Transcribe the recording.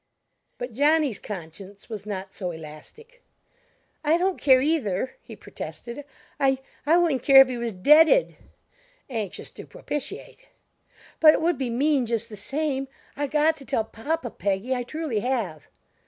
But Johnny's conscience was not so elastic. "I don't care, either," he protested. "I I wouldn't care if he was deaded" anxious to propitiate "but it would be mean just the same. I got to tell papa, Peggy, I truly have."